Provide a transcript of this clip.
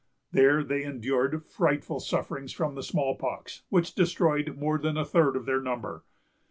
There they endured frightful sufferings from the small pox, which destroyed more than a third of their number.